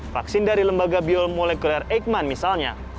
vaksin dari lembaga biomolekuler eikman misalnya